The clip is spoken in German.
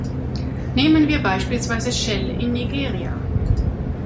Nehmen wir beispielsweise Shell in Nigeria.